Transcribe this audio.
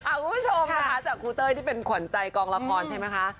คุณผู้ชมนะคะจากครูเต้ยที่เป็นขวัญใจกองละครใช่ไหมคะ